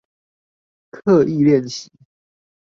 刻意練習